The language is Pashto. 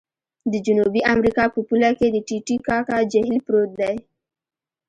د جنوبي امریکا په پوله کې د ټې ټې کاکا جهیل پروت دی.